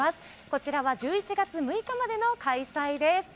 こちらは１１月６日までの開催です。